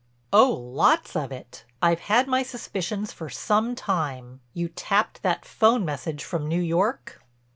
"Oh, lots of it. I've had my suspicions for some time. You tapped that 'phone message from New York?"